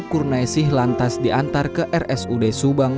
kurna esih lantas diantar ke rsud subang